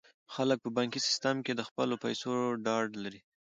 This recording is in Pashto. خلک په بانکي سیستم کې د خپلو پیسو ډاډ لري.